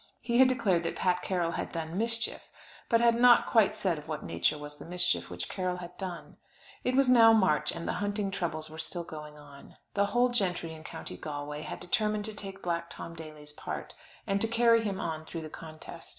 He had declared that Pat Carroll had done "mischief," but had not quite said of what nature was the mischief which Carroll had done. It was now March, and the hunting troubles were still going on. The whole gentry in County Galway had determined to take Black Tom Daly's part, and to carry him on through the contest.